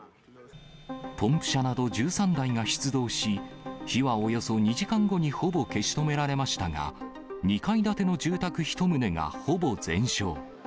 ポンプ車など１３台が出動し、火はおよそ２時間後にほぼ消し止められましたが、２階建ての住宅１棟がほぼ全焼。